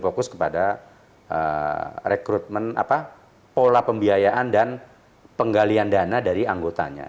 fokus kepada rekrutmen pola pembiayaan dan penggalian dana dari anggotanya